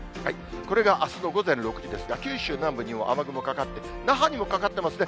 これがあすの午前６時ですが、九州南部にも雨雲かかって、那覇にもかかってますね。